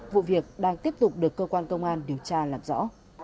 vụ việc đang tiếp tục được cơ quan công an điều tra làm rõ